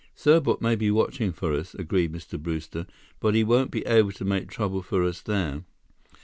"Serbot may be watching for us," agreed Mr. Brewster, "but he won't be able to make trouble for us there."